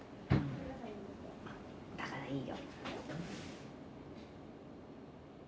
だからいいよ。